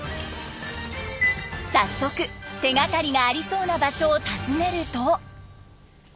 早速手がかりがありそうな場所を訪ねると。